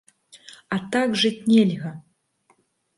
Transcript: А так жыць нельга!